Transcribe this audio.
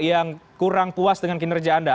yang kurang puas dengan kinerja anda